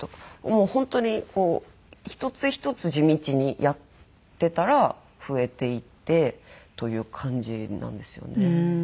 もう本当に１つ１つ地道にやってたら増えていってという感じなんですよね。